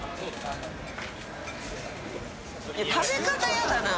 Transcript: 食べ方やだな！